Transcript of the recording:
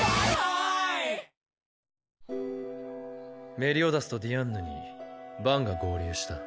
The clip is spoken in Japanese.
メリオダスとディアンヌにバンが合流した。